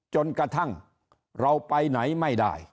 จนกระทั่งเราไปไหนไม่ได้